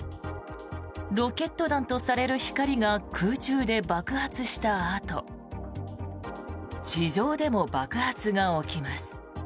ロケット弾とされる光が空中で爆発したあと地上でも爆発が起きます。